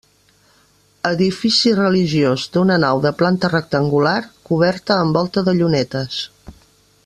Edifici religiós d'una nau de planta rectangular, coberta amb volta de llunetes.